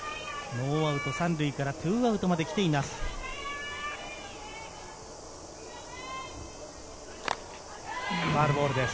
ノーアウト３塁から２アウトまで来ています。